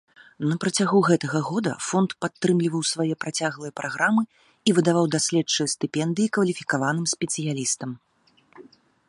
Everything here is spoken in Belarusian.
Напрацягу гэтага года фонд падтрымліваў свае працяглыя праграмы і выдаваў даследчыя стыпендыі кваліфікаваным спецыялістам.